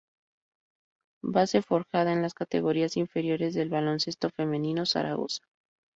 Base forjada en las categorías inferiores del Baloncesto Femenino Zaragoza.